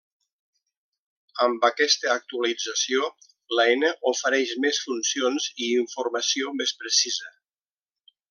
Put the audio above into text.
Amb aquesta actualització, l'eina ofereix més funcions i informació més precisa.